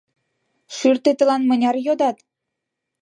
— Шӱртетлан мыняр йодат?